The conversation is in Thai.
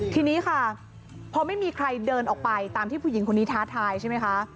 ทีนี้ค่ะพอไม่มีใครเดินออกไปตามที่ผู้หญิงคนนี้ท้าทายใช่ไหมคะ